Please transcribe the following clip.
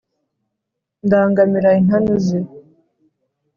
ndangamira intantu ze